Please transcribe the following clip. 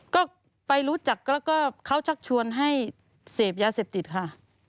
ก็ไปรู้จักแล้วก็เขาชักชวนให้เสพยาเสพติดค่ะ